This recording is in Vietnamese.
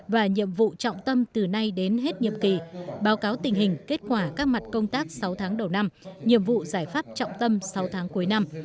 và nhiệm vụ trọng tâm từ nay đến hết nhiệm kỳ báo cáo tình hình kết quả các mặt công tác sáu tháng đầu năm nhiệm vụ giải pháp trọng tâm sáu tháng cuối năm